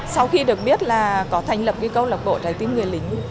sau khi được biết là có thành lập cái câu lạc bộ trái tim người lính